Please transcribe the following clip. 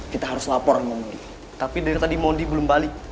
kita harus lapor sama bondi tapi dari tadi bondi belum balik